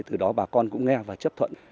từ đó bà con cũng nghe và chấp thuận